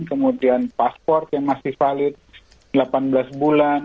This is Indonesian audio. kemudian pasport yang masih valid delapan belas bulan